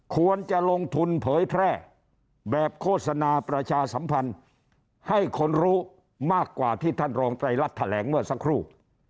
ควรจะลงทุนเผยแพร่แบบโฆษณาประชาสัมพันธ์ให้คนรู้มากกว่าที่ท่านรองไตรรัฐแถลงเมื่อสักครู่